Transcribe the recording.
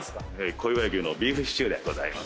小岩井牛のビーフシチューでございます。